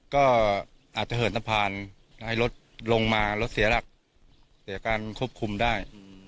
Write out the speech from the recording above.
ก็อาจจะเหินสะพานแล้วให้รถลงมารถเสียหลักเสียการควบคุมได้